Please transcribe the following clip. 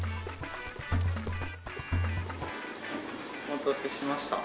お待たせしました。